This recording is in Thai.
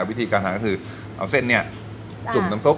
วิธีการทานก็คือเอาเส้นนี้จุ่มน้ำซุป